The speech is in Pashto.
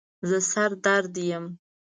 زه سر درد یم